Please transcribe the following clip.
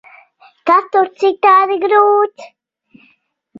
Kas tur citādi grūts?